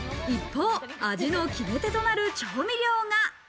一方、味の決め手となる調味料が。